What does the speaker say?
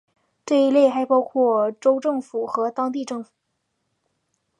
这一类还包括州政府和当地政府。